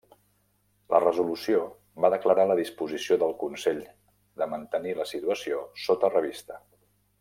La resolució va declarar la disposició del Consell de mantenir la situació sota revista.